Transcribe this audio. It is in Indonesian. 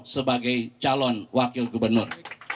sebagai calon wakil gubernur